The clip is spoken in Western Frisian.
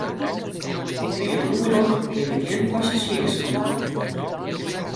By it ûngelok binne gjin passazjiers omkommen.